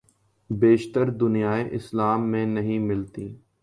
بیشتر دنیائے اسلام میں نہیں ملتی۔